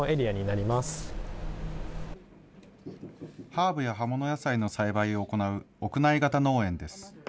ハーブや葉物野菜の栽培を行う屋内型農園です。